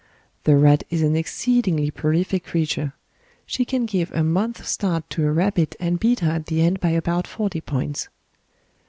The rat is an exceedingly prolific creature; she can give a month's start to a rabbit and beat her at the end by about 40 points.